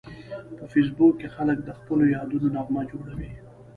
په فېسبوک کې خلک د خپلو یادونو نغمه جوړوي